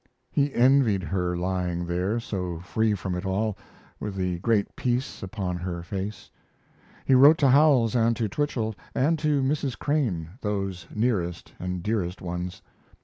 He envied her lying there, so free from it all, with the great peace upon her face. He wrote to Howells and to Twichell, and to Mrs. Crane, those nearest and dearest ones.